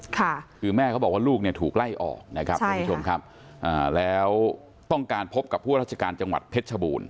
ค่ะคือแม่เขาบอกว่าลูกเนี่ยถูกไล่ออกนะครับท่านผู้ชมครับอ่าแล้วต้องการพบกับผู้ราชการจังหวัดเพชรชบูรณ